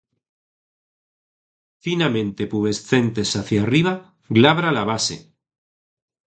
Finamente pubescentes hacia arriba, glabra la base.